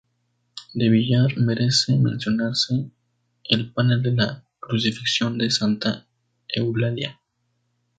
De Villar merece mencionarse el panel de la Crucifixión de Santa Eulalia.